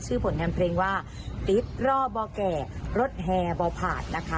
ผลงานเพลงว่าติ๊บรอบอแก่รถแห่บ่อผาดนะคะ